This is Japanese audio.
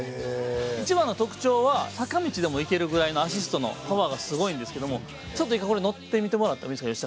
一番の特徴は坂道でも行けるぐらいのアシストのパワーがすごいんですけども１回、これ乗ってみてもらってもいいですか？